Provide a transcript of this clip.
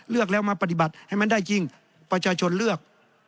เลือกแล้วมาปฏิบัติให้มันได้จริงประชาชนเลือก